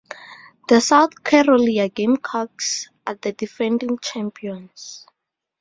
The South Carolina Gamecocks are the defending champions.